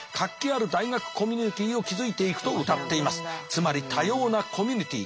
つまり多様なコミュニティー